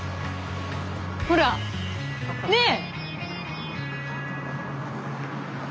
ほら！ねえ？